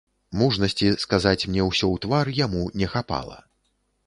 Мужнасці сказаць мне ўсё ў твар яму не хапала.